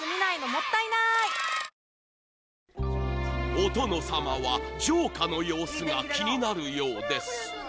［お殿様は城下の様子が気になるようです］